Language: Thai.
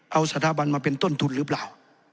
เอาสถาบันมาเป็นต้นทุนหรือเปล่า